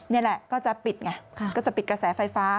นี่แหละก็จะปิดไงก็จะปิดกระแสไฟฟ้า